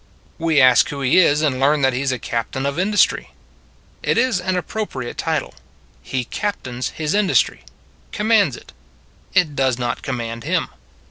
We ask who he is, and learn that he is a Captain of Industry. It is an appropriate title. He captains his industry commands it: it does not command him.